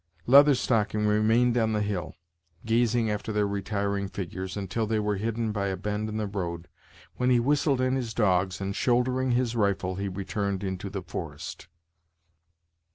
Leather Stocking remained on the hill, gazing after their retiring figures, until they were hidden by a bend in the road, when he whistled in his dogs, and shouldering his rifle, he returned into the forest.